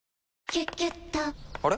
「キュキュット」から！